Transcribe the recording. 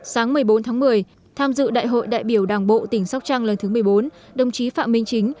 sáng một mươi bốn tháng một mươi tham dự đại hội đại biểu đảng bộ tỉnh sóc trăng lần thứ một mươi bốn đồng chí phạm minh chính